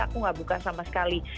aku gak buka sama sekali